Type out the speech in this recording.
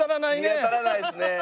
見当たらないですね。